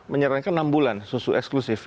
menyarankan enam bulan susu eksklusif